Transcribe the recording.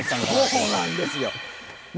そうなんですよ。